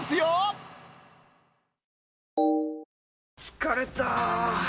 疲れた！